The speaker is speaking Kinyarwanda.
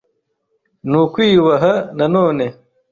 Nu kwiyubaha na none